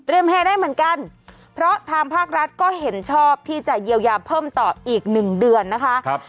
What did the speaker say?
ได้เหมือนกันเพราะทางภาครัฐก็เห็นชอบที่จะเยียวยาเพิ่มต่ออีกหนึ่งเดือนนะคะ